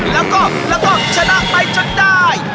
แล้วก็ชนะไปจนได้